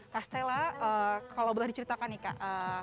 kak stella kalau boleh diceritakan nih kak